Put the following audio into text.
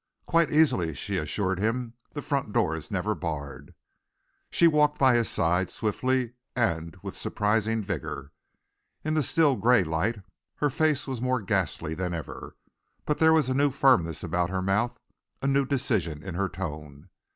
"Quite easily," she assured him. "The front door is never barred." She walked by his side, swiftly and with surprising vigour. In the still, grey light, her face was more ghastly than ever, but there was a new firmness about her mouth, a new decision in her tone.